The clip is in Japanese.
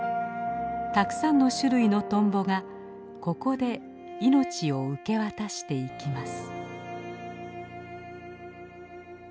たくさんの種類のトンボがここで命を受け渡していきます。